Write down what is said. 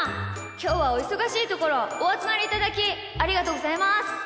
きょうはおいそがしいところおあつまりいただきありがとうございます。